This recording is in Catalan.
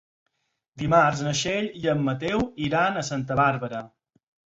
Dimarts na Txell i en Mateu iran a Santa Bàrbara.